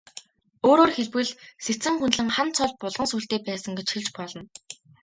Өөрөөр хэлбэл, Сэцэн хүндлэн хан цол булган сүүлтэй байсан гэж хэлж болно.